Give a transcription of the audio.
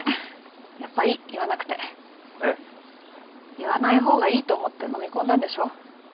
言わない方がいいと思ってのみ込んだんでしょ？